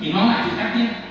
thì nó lại bị cắt tiếp